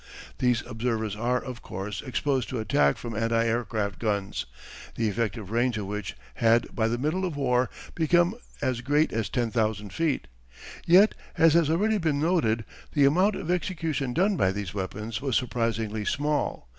These observers are, of course, exposed to attack from anti aircraft guns, the effective range of which had by the middle of war become as great as ten thousand feet. Yet, as has already been noted, the amount of execution done by these weapons was surprisingly small.